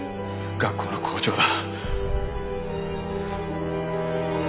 学校の校長だ。